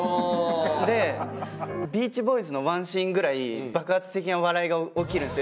で『ビーチボーイズ』のワンシーンぐらい爆発的な笑いが起きるんですよ